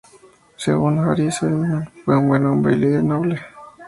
Según Hari Seldon fue un buen hombre y un líder noble.